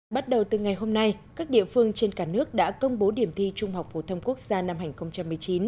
bắt đầu từ ngày hôm nay các địa phương trên cả nước đã công bố điểm thi trung học phổ thông quốc gia năm hai nghìn một mươi chín